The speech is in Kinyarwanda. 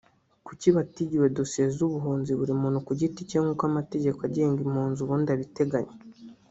Kuki batigiwe dosiye z’ubuhunzi buri muntu ku giti cye nk’uko amategeko agenga impunzi ubundi abiteganya